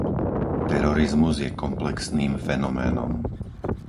Terorizmus je komplexným fenoménom.